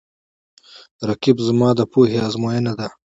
رقیب زما د پوهې آزموینه ده